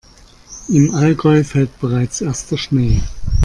Im Allgäu fällt bereits erster Schnee.